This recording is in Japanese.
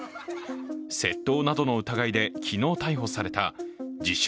窃盗などの疑いで昨日逮捕された自称